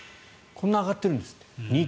こんなに上がっているんですって２．２７％。